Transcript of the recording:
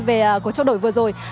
về cuộc trao đổi vừa rồi